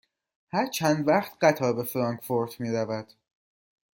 هر چند وقت قطار به فرانکفورت می رود؟